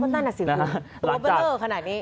นั่นอ่ะสิโลเบลเลอร์ขนาดนี้